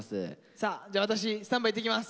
さあ私スタンバイ行ってきます。